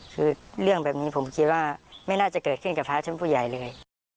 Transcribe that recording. คือเรื่องแบบนี้ผมคิดว่าไม่น่าจะเกิดขึ้นกับพระชั้นผู้ใหญ่เลย